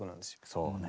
そうね。